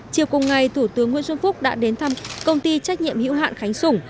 chiều cùng ngày thủ tướng nguyễn xuân phúc đã đến thăm công ty trách nhiệm hữu hạn khánh sủng